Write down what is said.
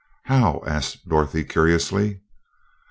"How?" asked Dorothy, curiously.